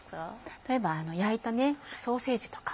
例えば焼いたソーセージとか。